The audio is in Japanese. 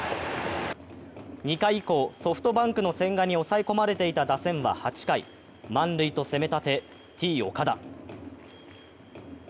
２回以降、ソフトバンクの千賀に抑え込まれていた打線は８回、満塁と攻めたて、Ｔ−岡田。